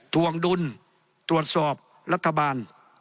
ถวงดุลตรวจสอบรัฐบาล